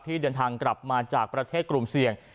เดินทางกลับมาจากประเทศกลุ่มเสี่ยง